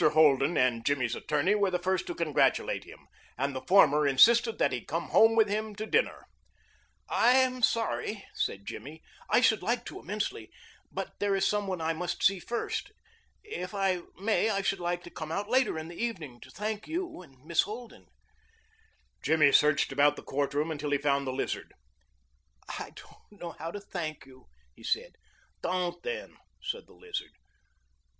Holden and Jimmy's attorney were the first to congratulate him, and the former insisted that he come home with him to dinner. "I am sorry," said Jimmy; "I should like to immensely, but there is some one I must see first. If I may I should like to come out later in the evening to thank you and Miss Holden." Jimmy searched about the court room until he found the Lizard. "I don't know how to thank you," he said. "Don't then," said the Lizard.